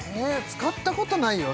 使ったことないよ